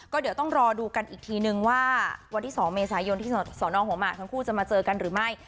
ก็เดี๋ยวต้องรอดูกันอีกทีนึงว่าวันที่๒เมษายนที่สนหัวหมากทั้งคู่จะมาเจอกันหรือไม่